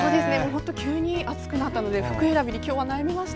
急に暑くなったので服選びに迷いました。